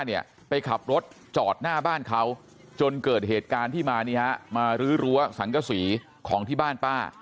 เนี่ยไปขับรถจอดหน้าบ้านเขาจนเกิดเหตุการณ์ที่มานี่ฮะมารื้อรั้วสังกษีของที่บ้านป้า